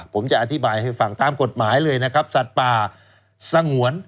ผมจะอธิบายให้ฟังตามกฎหมายเลยนะครับสัตว์ป่าสงวน